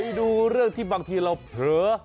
ไปดูเรื่องที่บางทีเราเผลอ